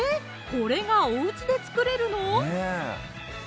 これがおうちで作れるの？